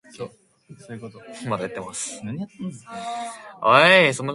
Alex also played volleyball all four years at Huntington Beach High School.